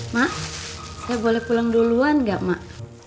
mak saya boleh pulang duluan gak mak